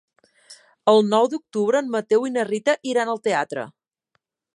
El nou d'octubre en Mateu i na Rita iran al teatre.